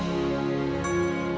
thanskan kakak mau bakalaidin